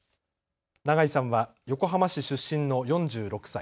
永井さんは横浜市出身の４６歳。